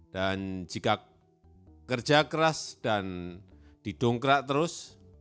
dan jika kerja keras dan didongkrak terus